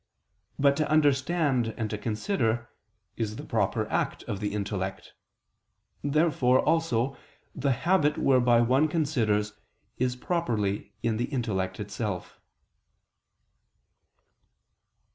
But to understand and to consider is the proper act of the intellect. Therefore also the habit whereby one considers is properly in the intellect itself.